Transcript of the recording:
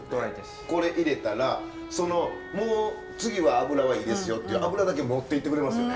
これ入れたら「もう次は脂はいいですよ」っていう脂だけ持っていってくれますよね。